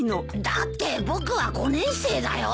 だって僕は５年生だよ。